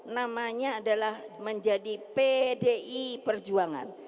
namanya adalah menjadi pdi perjuangan